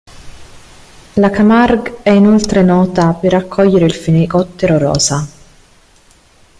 La Camargue è inoltre nota per accogliere il fenicottero rosa.